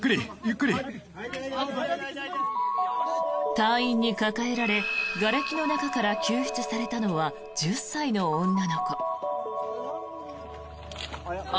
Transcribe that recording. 隊員に抱えられがれきの中から救出されたのは１０歳の女の子。